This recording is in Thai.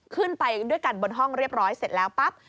ขึ้นไปด้วยกันบนห้องเรียบร้อยเสร็จแล้วปั๊บ